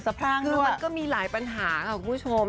คือมันก็มีหลายปัญหาค่ะคุณผู้ชม